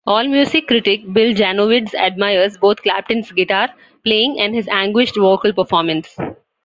AllMusic critic Bill Janovitz admires both Clapton's guitar playing and his anguished vocal performance.